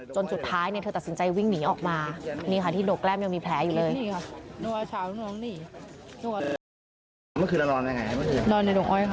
จนสุดท้ายเนี่ยเธอตัดสินใจวิ่งหนีออกมานี่ค่ะที่ดกล้มยังมีแผลอยู่เลย